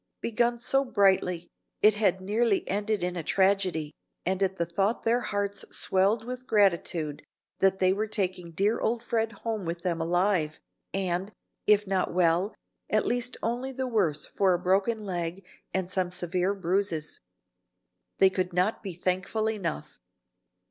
Begun so brightly, it had nearly ended in a tragedy, and at the thought their hearts swelled with gratitude that they were taking dear old Fred home with them alive, and, if not well, at least only the worse for a broken leg and some severe bruises. They could not be thankful enough.